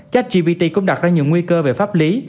chách gbt cũng đặt ra nhiều nguy cơ về pháp lý